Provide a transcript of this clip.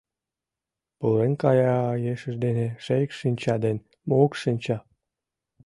Пурен кая ешыж дене Шекш-шинча ден Мокш-шинча